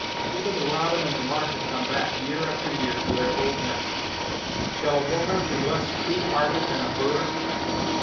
Even the robin and the martin come back, year after year, to their old nests; shall a woman be less true hearted than a bird?